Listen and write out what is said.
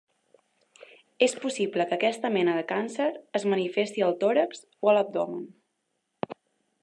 És possible que aquesta mena de càncer es manifesti al tòrax o a l'abdomen.